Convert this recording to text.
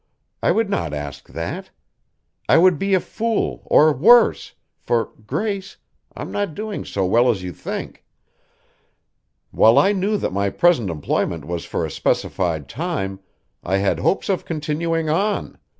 I would not ask that. I would be a fool or worse, for, Grace, I'm not doing so well as you think. While I knew that my present employment was for a specified time, I had hopes of continuing on.